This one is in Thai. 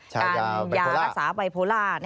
การยารักษาไบโพล่า